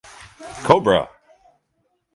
Cobra!